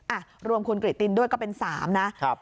อ่ะรวมคุณกริตตินด้วยก็เป็น๓นะครับ